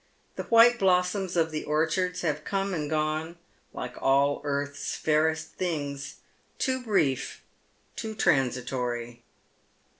The white blossoms of the orchards have come and gone like all earth's fairest things, too brief,' too transitory.